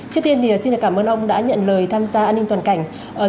trước tiên thì xin cảm ơn ông đã nhận lời tham gia an ninh toàn cảnh